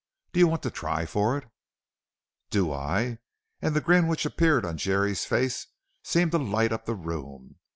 Do you want to try for it?" "Do I?" and the grin which appeared on Jerry's face seemed to light up the room.